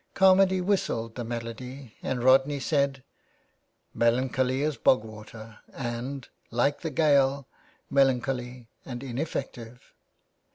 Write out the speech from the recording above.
Carmady whistled the melody and Rodney said : "Melancholy as bog water and, like the Gael, melancholy and ineffective."